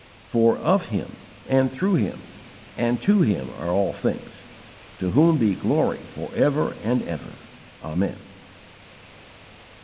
"For of Him, and through Him, and to Him are all things to Whom be glory for ever and ever. Amen."